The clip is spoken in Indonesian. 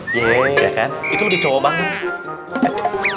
iya kan itu lebih cowo banget